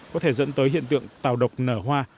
có thể dẫn tới hiện tượng tào độc nở hoa